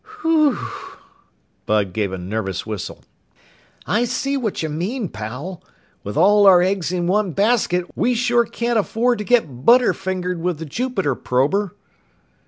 "Whew!" Bud gave a nervous whistle. "I see what you mean, pal. With all our eggs in one basket, we sure can't afford to get butter fingered with the Jupiter prober."